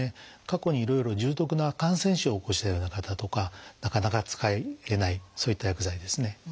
過去にいろいろ重篤な感染症を起こしたような方とかなかなか使えないそういった薬剤ですね。